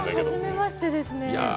初めましてですね